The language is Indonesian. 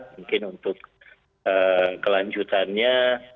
mungkin untuk kelanjutannya